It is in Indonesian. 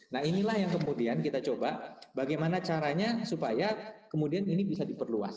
nah inilah yang kemudian kita coba bagaimana caranya supaya kemudian ini bisa diperluas